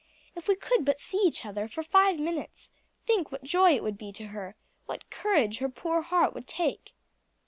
If we could but see each other for five minutes, think what joy it would be to her, what courage her poor heart would take."